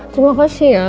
terima kasih ya